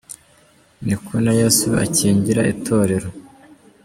Ni ko na Yesu akingira Itorero.